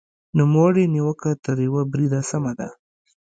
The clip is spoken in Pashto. نوموړې نیوکه تر یوه بریده سمه ده.